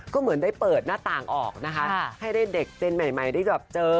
ก็เหมือนได้เปิดหน้าต่างออกนะคะให้ได้เด็กเซ็นใหม่ได้แบบเจอ